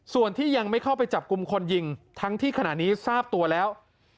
ส่วนที่ยังไม่เข้าไปจับกลุ่มคนยิงทั้งที่ขณะนี้ทราบตัวแล้ว